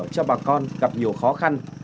cho bà con gặp nhiều khó khăn